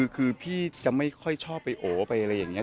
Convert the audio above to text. คือพี่จะไม่ค่อยชอบไปโอไปอะไรอย่างนี้